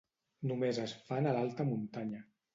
Només es fan a l'alta muntanya.